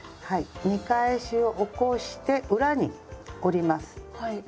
見返しを起こして裏に折ります。